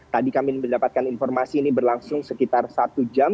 tadi kami mendapatkan informasi ini berlangsung sekitar satu jam